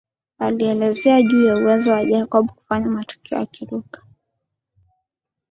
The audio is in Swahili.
Alielezea juu ya uwezo wa Jacob kufanya matukio akiruka